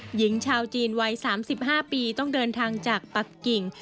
หญิงชาวจีนวัย๓๕ปีต้องเดินทางจากปักกิ่ง